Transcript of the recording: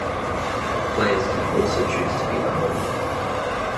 Players can also choose to be unordered.